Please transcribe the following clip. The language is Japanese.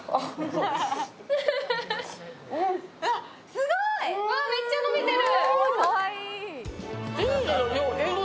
すごい、めっちゃ伸びてる！